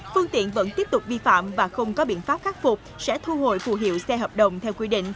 phương tiện vẫn tiếp tục vi phạm và không có biện pháp khắc phục sẽ thu hồi phù hiệu xe hợp đồng theo quy định